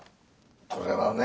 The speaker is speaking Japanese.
これはね